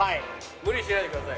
無理しないでください。